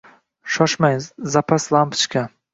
Shoshmang zapas lampochka